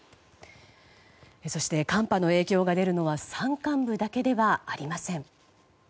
そして、寒波の影響が出るのは山間部だけではありません。